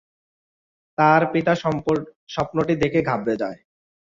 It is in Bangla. তার পিতা স্বপ্নটি দেখে ঘাবড়ে যায়।